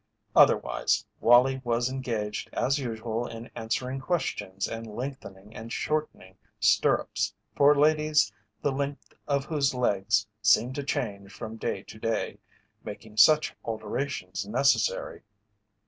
Otherwise Wallie was engaged as usual in answering questions and lengthening and shortening stirrups for ladies the length of whose legs seemed to change from day to day, making such alterations necessary.